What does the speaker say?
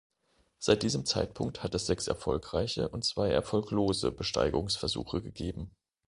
Seit diesem Zeitpunkt hat es sechs erfolgreiche und zwei erfolglose Besteigungsversuche gegeben.